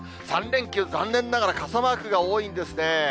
３連休、残念ながら傘マークが多いんですね。